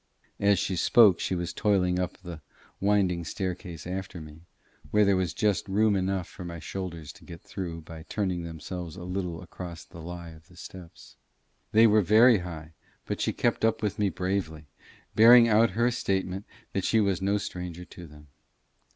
As she spoke she was toiling up the winding staircase after me, where there was just room enough for my shoulders to get through by turning themselves a little across the lie of the steps. They were very high, but she kept up with me bravely, bearing out her statement that she was no stranger to them.